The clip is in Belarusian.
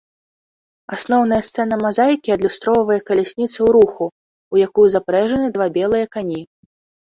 Асноўная сцэна мазаікі адлюстроўвае калясніцу ў руху, у якую запрэжаны два белыя кані.